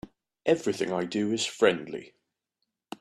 Everything I do is friendly.